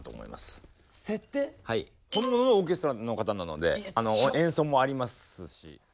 本物のオーケストラの方なので演奏もありますし。